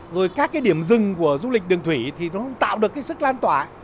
rồi các cái điểm rừng của du lịch đường thủy thì nó tạo được cái sức lan tỏa